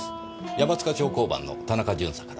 山塚町交番の田中巡査から。